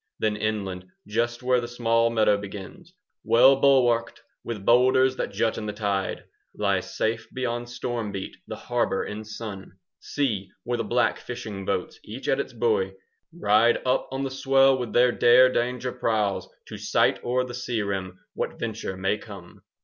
Then inland just where the small meadow begins, Well bulwarked with boulders that jut in the tide, Lies safe beyond storm beat the harbour in sun. 10 See where the black fishing boats, each at its buoy, Ride up on the swell with their dare danger prows, To sight o'er the sea rim what venture may come!